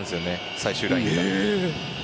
最終ライン。